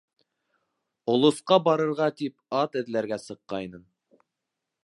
Олосҡа барырға тип ат эҙләргә сыҡҡайным.